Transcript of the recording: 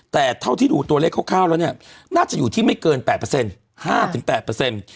แต่เท่าที่ดูตัวเลขคร่าวแล้วเนี่ยน่าจะอยู่ที่ไม่เกิน๘เปอร์เซ็นต์